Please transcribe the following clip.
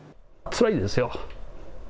つらいですよ。